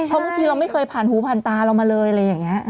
เพราะบางทีเราไม่เคยผ่านหูผ่านตาเรามาเลยอะไรอย่างนี้